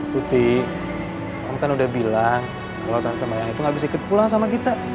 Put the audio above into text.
putih kamu kan udah bilang kalau tante mayang itu gak bisa ikut pulang sama kita